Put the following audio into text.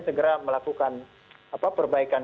segera melakukan perbaikan